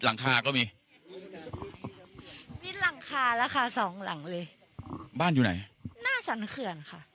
หลังคาก็มีมิดหลังคาแล้วค่ะสองหลังเลยบ้านอยู่ไหนหน้าสรรเขื่อนค่ะ